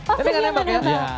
oh simnya gak nembak ya